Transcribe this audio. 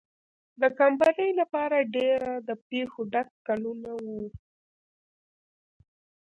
د کمپنۍ لپاره ډېر د پېښو ډک کلونه وو.